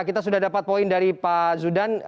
kita sudah dapat poin dari pak zudan